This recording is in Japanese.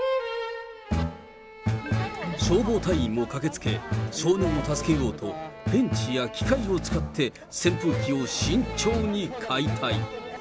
消防隊員も駆けつけ、少年を助けようと、ペンチや機械を使って扇風機を慎重に解体。